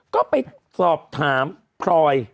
ก็ไปสอบถามพลอย